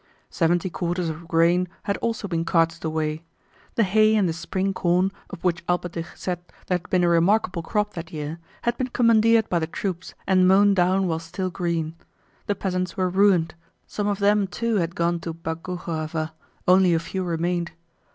Seventy quarters of grain had also been carted away. The hay and the spring corn, of which Alpátych said there had been a remarkable crop that year, had been commandeered by the troops and mown down while still green. The peasants were ruined; some of them too had gone to Boguchárovo, only a few remained.